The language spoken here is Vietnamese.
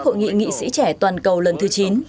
hội nghị nghị sĩ trẻ toàn cầu lần thứ chín